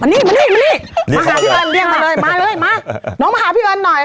นี่มานี่มานี่มาหาพี่เอิญเรียกมาเลยมาเลยมาน้องมาหาพี่เอิญหน่อย